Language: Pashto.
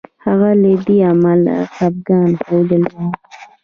هغه له دې امله خپګان ښودلی وو.